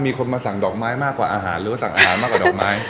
มีคนมาสั่งดอกไม้มากกว่าอาหารหรือว่าสั่งอาหารมากกว่าดอกไม้